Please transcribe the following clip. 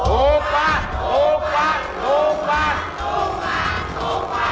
ถูกกว่าถูกกว่าถูกกว่า